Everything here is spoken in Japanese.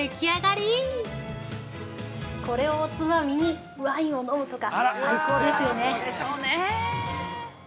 ◆これをおつまみにワインを飲むとか最高ですよね。